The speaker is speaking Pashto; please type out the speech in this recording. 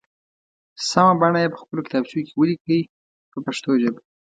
سمه بڼه یې په خپلو کتابچو کې ولیکئ په پښتو ژبه.